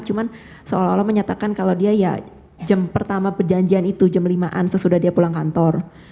cuma seolah olah menyatakan kalau dia ya jam pertama perjanjian itu jam lima an sesudah dia pulang kantor